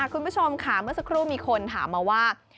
คุณผู้ชมค่ะเมื่อสักครู่มีคนถามมาว่า